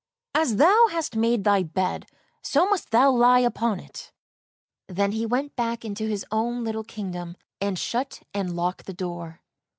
As thou hast made thy bed, so must thou lie upon it! " Then he went back into his own little kingdom and shut and locked the door.